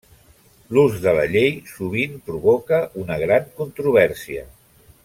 L'ús de la llei sovint provoca una gran controvèrsia.